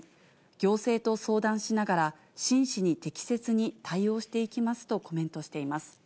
行政と相談しながら、真摯に適切に対応していきますとコメントしています。